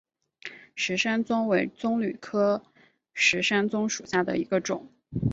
石山棕为棕榈科石山棕属下的一个种。